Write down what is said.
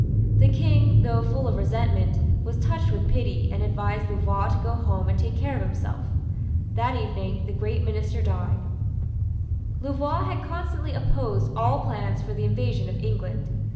The King, though full of resentment, was touched with pity, and advised Louvois to go home and take care of himself. That evening the great minister died. Louvois had constantly opposed all plans for the invasion of England.